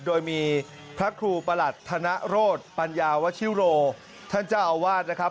โดยมีพระครูประหลัดธนโรธปัญญาวชิโรท่านเจ้าอาวาสนะครับ